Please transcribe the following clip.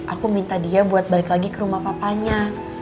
aku minta dia buat balik lagi ke rumah papanya